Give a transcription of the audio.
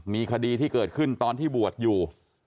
มีคดีที่เกิดขึ้นตอนที่บวชอยู่